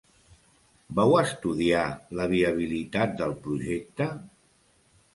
Vau estudiar la viabilitat del projecte?